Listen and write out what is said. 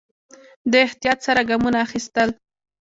دی احتیاط سره ګامونه اخيستل.